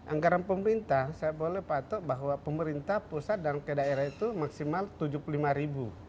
anggaran pemerintah saya boleh patut bahwa pemerintah pusat dan ke daerah itu maksimal rp tujuh puluh lima ribu